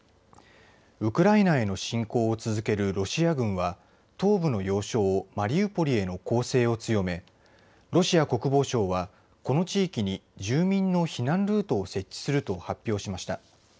ウクライナへの侵攻を続けるロシア軍は東部の要衝マリウポリへの攻勢を強めロシア国防省はこの地域に住民の避難ルートを設置すると発表しました。